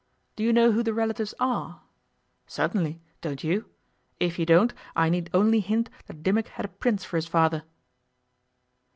'Do you know who the relatives are?' 'Certainly. Don't you? If you don't I need only hint that Dimmock had a Prince for his father.